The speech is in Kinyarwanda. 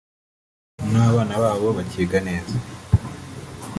n’abana babo bakiga neza